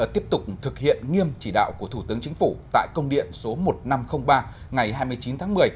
tiếp tục thực hiện nghiêm chỉ đạo của thủ tướng chính phủ tại công điện số một nghìn năm trăm linh ba ngày hai mươi chín tháng một mươi